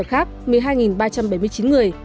cơ sở khác một mươi hai ba trăm bảy mươi chín người